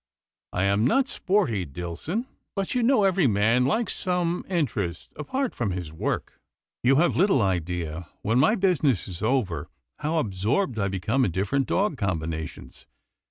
" I am not sporty, Dillson, but you know AN UNEXPECTED REQUEST 101 every man likes some interest apart from his work. You have little idea, when my business is over, how absorbed I become in different dog combinations.